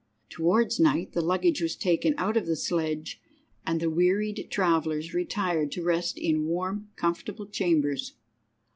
Towards night the luggage was taken out of the sledge, and the wearied travellers retired to rest in warm, comfortable chambers.